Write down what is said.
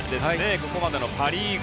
ここまでのパ・リーグ